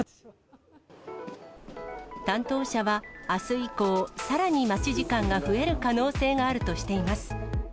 担当者は、あす以降、さらに待ち時間が増える可能性があるとしています。